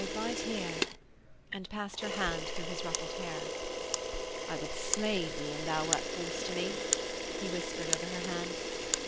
Bide here,' and passed her hand through his ruffled hair. 'I would slay thee an thou were false to me,' he whispered over her hand.